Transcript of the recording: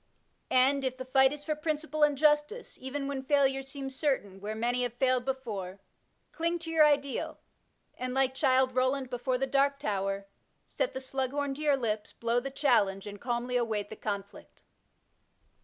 And, if the fight is for principle and justice, even when failure seems certain, where many have failed before, ding to your ideal, and, like Childe Roland 8 Digitized by Google AEQUANIMITAS before the daA tower, set the dug horn to your lips, blow the challenge, and calmly await the conflict.